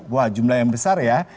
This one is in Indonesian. wah jumlah yang besar ya